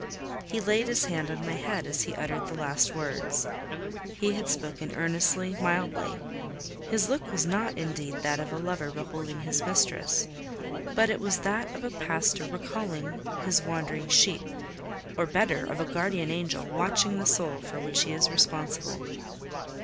He laid his hand on my head as he uttered the last words. He had spoken earnestly, mildly: his look was not, indeed, that of a lover beholding his mistress, but it was that of a pastor recalling his wandering sheep—or better, of a guardian angel watching the soul for which he is responsible.